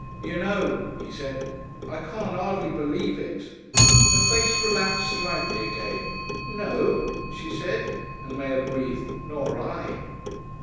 "You know," he said, "I can't 'ardly believe it." Her face relaxed slightly again. "No?" she said, and may have breathed, "Nor I."